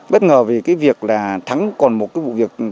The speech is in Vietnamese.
bất ngờ về cái việc là thắng còn một cái vụ việc